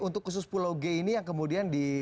untuk khusus pulau g ini yang kemudian di